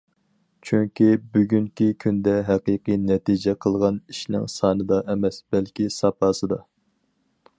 چۈنكى، بۈگۈنكى كۈندە ھەقىقىي نەتىجە قىلغان ئىشنىڭ سانىدا ئەمەس، بەلكى ساپاسىدا.